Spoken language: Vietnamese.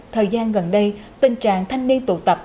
thời gian gần đây tình trạng thanh niên tụ tập